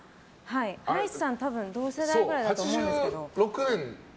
ハライチさん、多分同世代くらいだと思うんですけど。